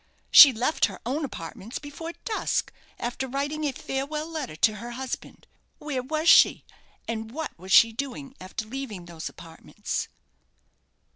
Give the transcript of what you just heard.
She left her own apartments before dusk, after writing a farewell letter to her husband. Where was she, and what was she doing, after leaving those apartments?"